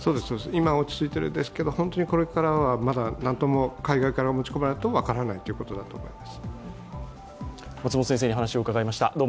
今落ち着いているんですが、本当にこれからはまだ何とも海外から持ち込まれると分からないと思います。